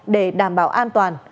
để đảm bảo an toàn